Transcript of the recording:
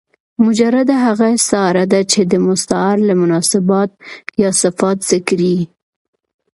مجرده هغه استعاره ده، چي د مستعارله مناسبات یا صفات ذکر يي.